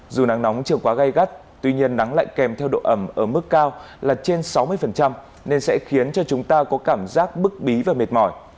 dù nắng nóng chưa quá gai gắt tuy nhiên nắng lại kèm theo độ ẩm ở mức cao là trên sáu mươi nên sẽ khiến cho chúng ta có cảm giác bức bí và mệt mỏi